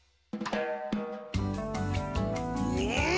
うん！